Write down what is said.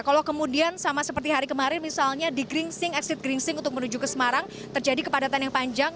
kalau kemudian sama seperti hari kemarin misalnya di gringsing exit gringsing untuk menuju ke semarang terjadi kepadatan yang panjang